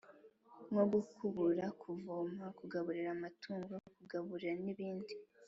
nko gukubura, kuvoma, kugaburira amatungo, kubagara n’ibindi